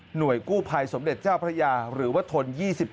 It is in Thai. กู้ภัยสมเด็จเจ้าพระยาหรือว่าทน๒๗